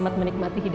ya terima kasih